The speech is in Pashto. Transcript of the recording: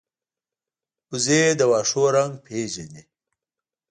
وزې د واښو رنګ پېژني